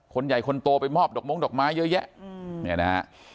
คนใหญ่คนโตไปมอบดอกม้องดอกไม้เยอะแยะ